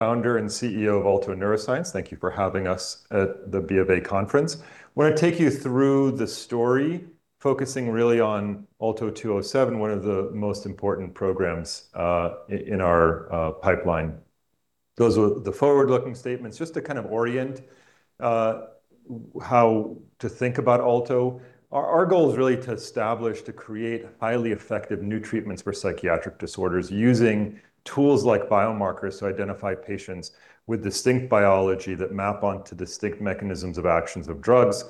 Founder and CEO of Alto Neuroscience. Thank you for having us at the BofA conference. I'm gonna take you through the story, focusing really on ALTO-207, one of the most important programs in our pipeline. Those were the forward-looking statements. Just to kind of orient how to think about Alto, our goal is really to establish, to create highly effective new treatments for psychiatric disorders using tools like biomarkers to identify patients with distinct biology that map onto distinct mechanisms of actions of drugs,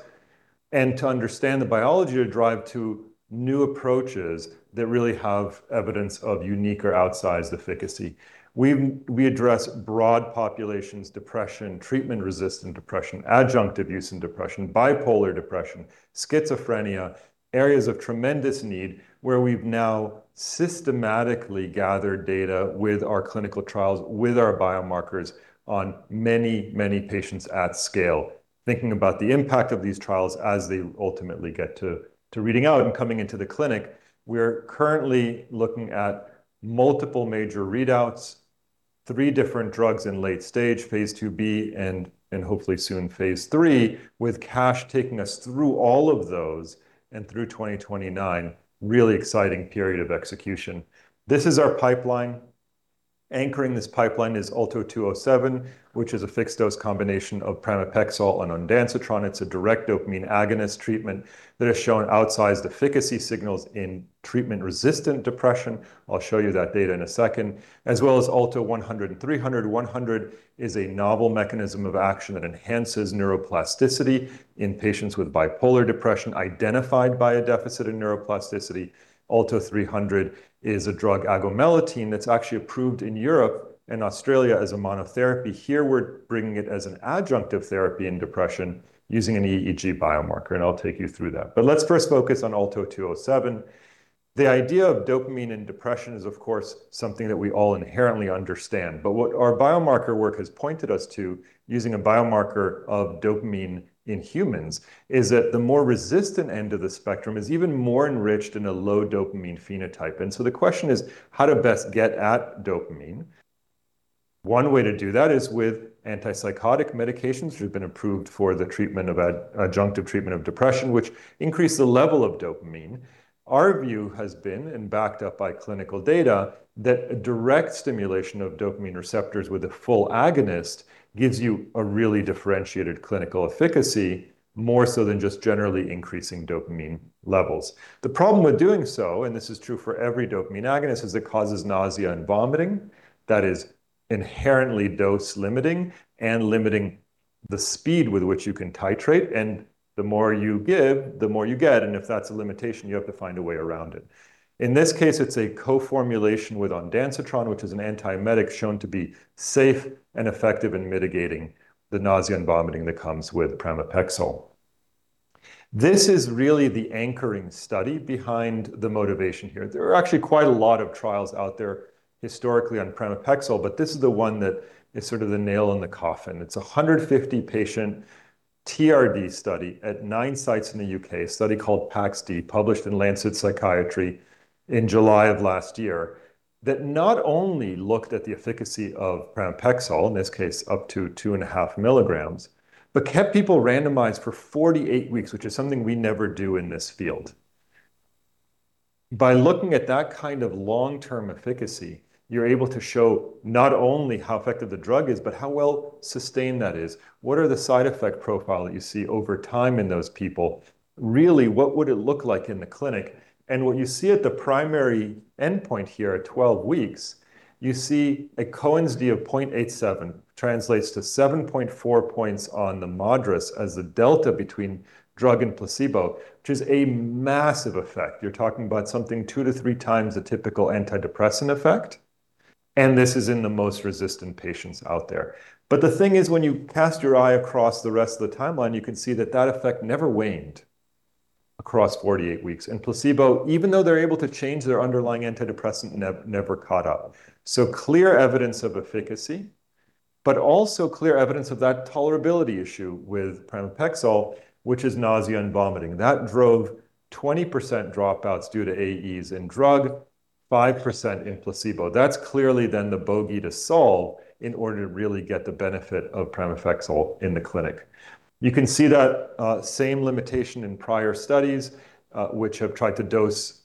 and to understand the biology to drive to new approaches that really have evidence of unique or outsized efficacy. We address broad populations, depression, treatment-resistant depression, substance abuse and depression, bipolar depression, schizophrenia, areas of tremendous need where we've now systematically gathered data with our clinical trials, with our biomarkers on many patients at scale. Thinking about the impact of these trials as they ultimately get to reading out and coming into the clinic, we're currently looking at multiple major readouts, three different drugs in late stage, phase II-B and hopefully soon phase III, with cash taking us through all of those and through 2029. Really exciting period of execution. This is our pipeline. Anchoring this pipeline is ALTO-207, which is a fixed-dose combination of pramipexole and ondansetron. It's a direct dopamine agonist treatment that has shown outsized efficacy signals in treatment-resistant depression, I'll show you that data in a second, as well as ALTO-100 and ALTO-300. ALTO-100 is a novel mechanism of action that enhances neuroplasticity in patients with bipolar depression identified by a deficit in neuroplasticity. ALTO-300 is a drug agomelatine that's actually approved in Europe and Australia as a monotherapy. Here we're bringing it as an adjunctive therapy in depression using an EEG biomarker, I'll take you through that. Let's first focus on ALTO-207. The idea of dopamine in depression is, of course, something that we all inherently understand. What our biomarker work has pointed us to, using a biomarker of dopamine in humans, is that the more resistant end of the spectrum is even more enriched in a low dopamine phenotype. The question is, how to best get at dopamine? One way to do that is with antipsychotic medications, which have been approved for the treatment of adjunctive treatment of depression, which increase the level of dopamine. Our view has been, and backed up by clinical data, that a direct stimulation of dopamine receptors with a full agonist gives you a really differentiated clinical efficacy, more so than just generally increasing dopamine levels. The problem with doing so, and this is true for every dopamine agonist, is it causes nausea and vomiting that is inherently dose-limiting and limiting the speed with which you can titrate. The more you give, the more you get, and if that's a limitation, you have to find a way around it. In this case, it's a co-formulation with ondansetron, which is an antiemetic shown to be safe and effective in mitigating the nausea and vomiting that comes with pramipexole. This is really the anchoring study behind the motivation here. There are actually quite a lot of trials out there historically on pramipexole, but this is the one that is sort of the nail in the coffin. It's a 150-patient TRD study at nine sites in the U.K., a study called PAX-D, published in The Lancet Psychiatry in July of last year, that not only looked at the efficacy of pramipexole, in this case up to 2.5 mg, but kept people randomized for 48 weeks, which is something we never do in this field. By looking at that kind of long-term efficacy, you're able to show not only how effective the drug is, but how well-sustained that is. What are the side effect profile that you see over time in those people? Really, what would it look like in the clinic? What you see at the primary endpoint here at 12 weeks, you see a Cohen's d of 0.87 translates to 7.4 points on the MADRS as the delta between drug and placebo, which is a massive effect. You're talking about something two to three times the typical antidepressant effect. This is in the most resistant patients out there. The thing is, when you cast your eye across the rest of the timeline, you can see that that effect never waned across 48 weeks. Placebo, even though they're able to change their underlying antidepressant, never caught up. Clear evidence of efficacy, but also clear evidence of that tolerability issue with pramipexole, which is nausea and vomiting. That drove 20% dropouts due to AEs in drug, 5% in placebo. That's clearly then the bogey to solve in order to really get the benefit of pramipexole in the clinic. You can see that same limitation in prior studies, which have tried to dose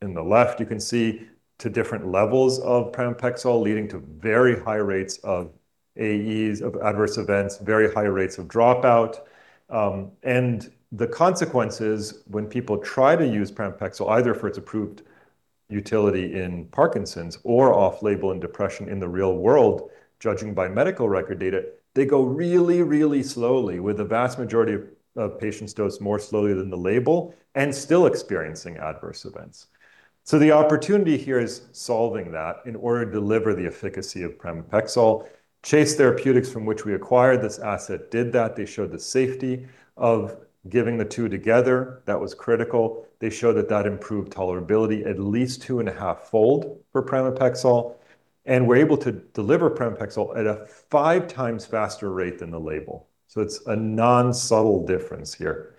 in the left, you can see to different levels of pramipexole, leading to very high rates of AEs, of adverse events, very high rates of dropout. The consequences when people try to use pramipexole, either for its approved utility in Parkinson's or off-label in depression in the real world, judging by medical record data, they go really, really slowly, with the vast majority of patients dose more slowly than the label and still experiencing adverse events. The opportunity here is solving that in order to deliver the efficacy of pramipexole. Chase Therapeutics, from which we acquired this asset, did that. They showed the safety of giving the two together. That was critical. They showed that improved tolerability at least 2.5-fold for pramipexole, and were able to deliver pramipexole at a 5x faster rate than the label. It's a non-subtle difference here.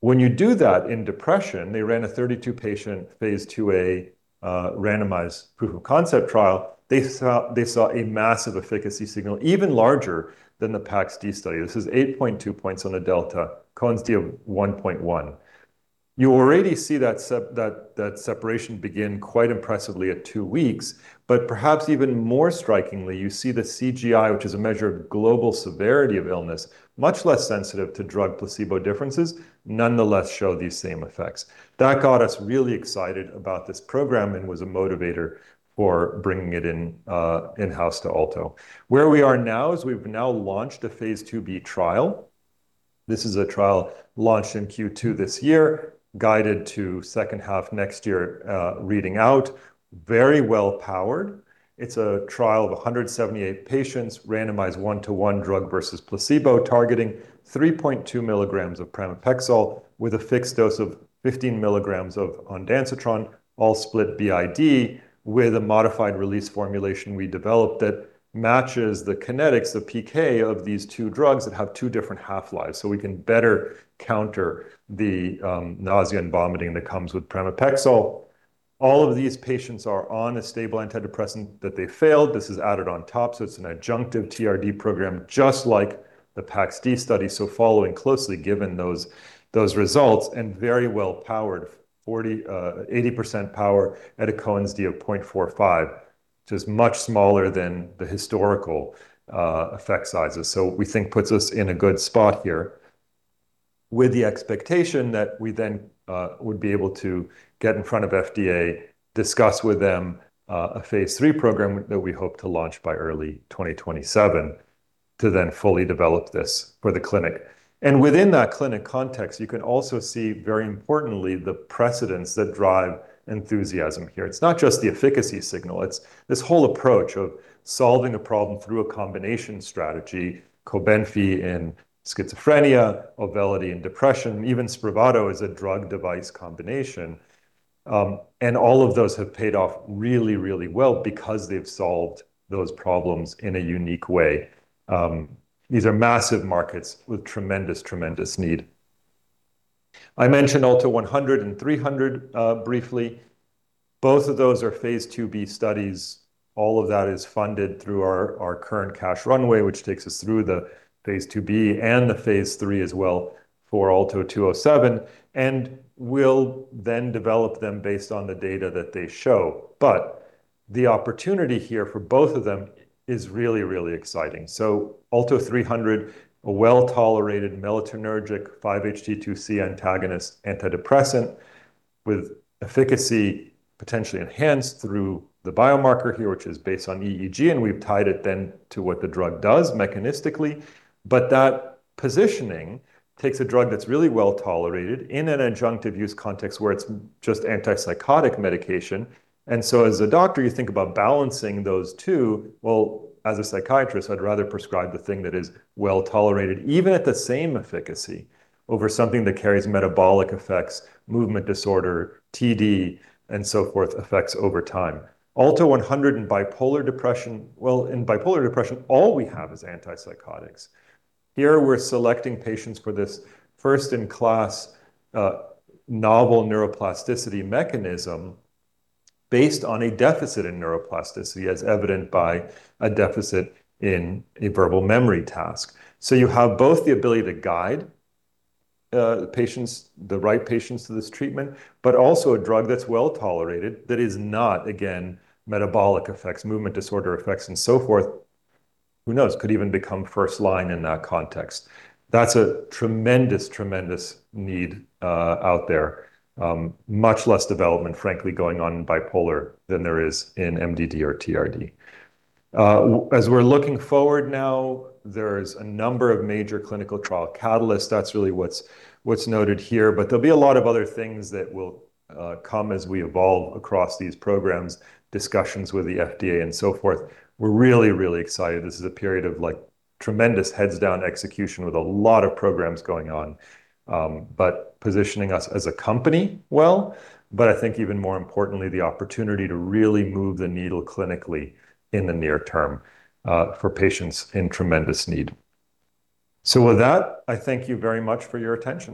When you do that in depression, they ran a 32-patient phase IIa randomized proof of concept trial. They saw a massive efficacy signal even larger than the PAX-D study. This is 8.2 points on a delta, Cohen's d of 1.1. You already see that separation begin quite impressively at two weeks. Perhaps even more strikingly, you see the CGI, which is a measure of global severity of illness, much less sensitive to drug placebo differences, nonetheless show these same effects. That got us really excited about this program and was a motivator for bringing it in-house to Alto. Where we are now is we've now launched a phase II-B trial. This is a trial launched in Q2 this year, guided to second half next year, reading out. Very well powered. It's a trial of 178 patients, randomized one to one drug versus placebo, targeting 3.2 mg of pramipexole with a fixed dose of 15 mg of ondansetron, all split BID with a modified release formulation we developed that matches the kinetics, the PK of these two drugs that have two different half-lives, so we can better counter the nausea and vomiting that comes with pramipexole. All of these patients are on a stable antidepressant that they failed. This is added on top, so it's an adjunctive TRD program just like the PAX-D study. Following closely, given those results, and very well powered 40%, 80% power at a Cohen's d of 0.45, which is much smaller than the historical effect sizes. We think puts us in a good spot here with the expectation that we then would be able to get in front of FDA, discuss with them a phase III program that we hope to launch by early 2027 to then fully develop this for the clinic. Within that clinic context, you can also see, very importantly, the precedents that drive enthusiasm here. It's not just the efficacy signal, it's this whole approach of solving a problem through a combination strategy, COBENFY in schizophrenia, Auvelity in depression, even SPRAVATO is a drug device combination. All of those have paid off really, really well because they've solved those problems in a unique way. These are massive markets with tremendous need. I mentioned ALTO-100 and ALTO-300 briefly. Both of those are phase II-B studies. All of that is funded through our current cash runway, which takes us through the phase II-B and the phase III as well for ALTO-207, and we'll then develop them based on the data that they show. The opportunity here for both of them is really, really exciting. ALTO-300, a well-tolerated melatonergic 5-HT2C antagonist antidepressant with efficacy potentially enhanced through the biomarker here, which is based on EEG, and we've tied it then to what the drug does mechanistically. That positioning takes a drug that's really well-tolerated in an adjunctive use context where it's just antipsychotic medication. As a doctor, you think about balancing those two. Well, as a psychiatrist, I'd rather prescribe the thing that is well-tolerated, even at the same efficacy, over something that carries metabolic effects, movement disorder, TD, and so forth, effects over time. ALTO-100 in bipolar depression. Well, in bipolar depression, all we have is antipsychotics. Here, we're selecting patients for this first-in-class, novel neuroplasticity mechanism based on a deficit in neuroplasticity as evident by a deficit in a verbal memory task. You have both the ability to guide patients, the right patients to this treatment, but also a drug that's well-tolerated that is not, again, metabolic effects, movement disorder effects, and so forth. Who knows? Could even become first line in that context. That's a tremendous need out there. Much less development, frankly, going on in bipolar than there is in MDD or TRD. As we're looking forward now, there's a number of major clinical trial catalysts. That's really what's noted here. There'll be a lot of other things that will come as we evolve across these programs, discussions with the FDA and so forth. We're really excited. This is a period of like tremendous heads down execution with a lot of programs going on. Positioning us as a company well, but I think even more importantly, the opportunity to really move the needle clinically in the near term for patients in tremendous need. With that, I thank you very much for your attention.